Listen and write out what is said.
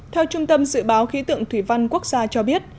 theo trung tâm dự báo khí tượng thủy văn quốc gia cho biết